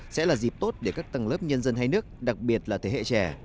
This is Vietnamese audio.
sẽ là dịp tốt để các tầng lớp nhân dân hai nước đặc biệt là thế hệ trẻ